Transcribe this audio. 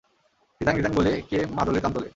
ধিতাং ধিতাং বলে কে মাদলে তান তোলে?